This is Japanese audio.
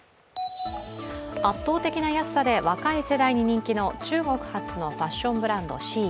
圧倒的な安さで若い世代に人気の中国発のファッションブランド、ＳＨＥＩＮ。